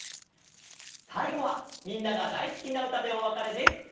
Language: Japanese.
さいごはみんながだいすきなうたでおわかれです。